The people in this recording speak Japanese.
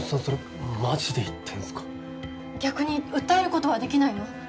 それマジで言ってんすか逆に訴えることはできないの？